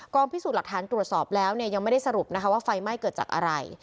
พิสูจน์หลักฐานตรวจสอบแล้วเนี่ยยังไม่ได้สรุปนะคะว่าไฟไหม้เกิดจากอะไร